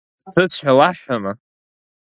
Бҭыҵ ҳәа лаҳҳәама?